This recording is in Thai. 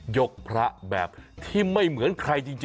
ยกพระแบบที่ไม่เหมือนใครจริง